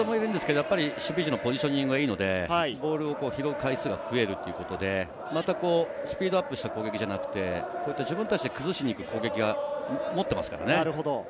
守備陣のポジショニングがいいので、ボールを拾う回数が増えるということで、スピードアップした攻撃じゃなくて、自分たちで崩しに行く攻撃を持っていますからね。